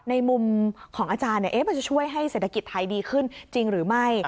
ในมุมของอาจารย์มันจะช่วยให้เศรษฐกิจไทยดีขึ้นจริงหรือไม่